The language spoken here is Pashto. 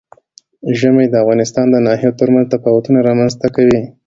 ژمی د افغانستان د ناحیو ترمنځ تفاوتونه رامنځ ته کوي.